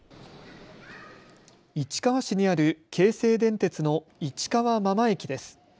市川市にある京成電鉄の市川真間駅です。